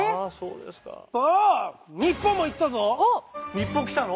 日本来たの？